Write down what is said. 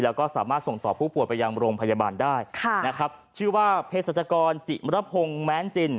แล้วก็สามารถส่งต่อผู้ป่วยไปยังโรงพยาบาลได้ค่ะนะครับชื่อว่าเพศรัชกรจิมรพงศ์แม้นจิน